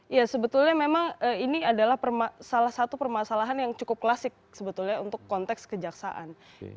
ya sebetulnya memang ini adalah salah satu permasalahan yang cukup klasik sebetulnya untuk konteks kejaksaan